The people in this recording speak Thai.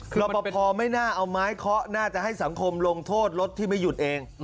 รอปภไม่น่าเอาไม้เคาะน่าจะให้สังคมลงโทษรถที่ไม่หยุดเอง